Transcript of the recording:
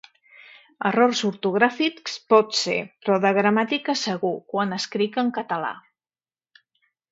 errors ortogràfics potser, però de gramàtica segur, quan escric en català